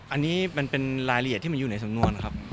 อันนี้มันเป็นรายละเอียดที่มันอยู่ในสำนวนนะครับ